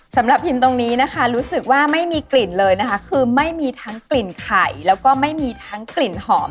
สำหรับพิมพ์ตรงนี้นะคะรู้สึกว่าไม่มีกลิ่นเลยนะคะคือไม่มีทั้งกลิ่นไข่แล้วก็ไม่มีทั้งกลิ่นหอม